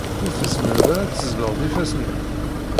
Ur tezmireḍ ara ad teẓẓleḍ ifassen-im?